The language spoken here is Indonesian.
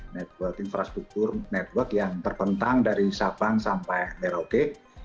network infrastruktur network yang terbentang dari sabang sampai merauke